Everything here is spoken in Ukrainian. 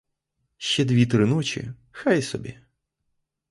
Ще дві, три ночі — хай собі.